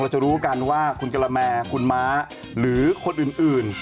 จะรู้กันว่าคุณกะละแมคุณม้าหรือคนอื่น